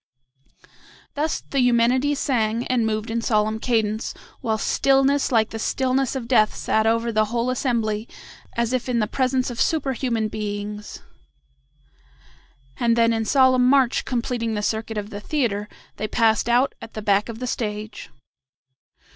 Thus the Eumenides sang, and moved in solemn cadence, while stillness like the stillness of death sat over the whole assembly as if in the presence of superhuman beings; and then in solemn march completing the circuit of the theatre, they passed out at the back of the stage.